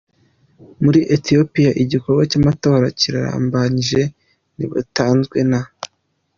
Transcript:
Muri Ethiopie, igikorwa cy’amatora kirarimbanyije, ntibatanzwe n.